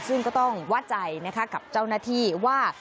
ซึ่งก็ต้องวัดใจนะคะกับเจ้าหน้าที่ว่า